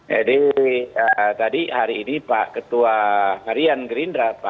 jadi tadi hari ini pak ketua harian gerindra pak